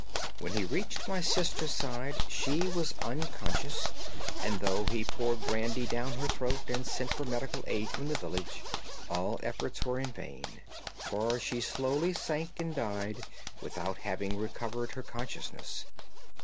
When he reached my sister's side she was unconscious, and though he poured brandy down her throat and sent for medical aid from the village, all efforts were in vain, for she slowly sank and died without having recovered her consciousness.